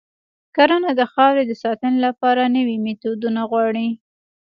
کرنه د خاورې د ساتنې لپاره نوي میتودونه غواړي.